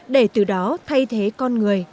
để từ đó thay thế con người